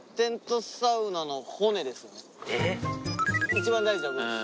一番大事な部分です。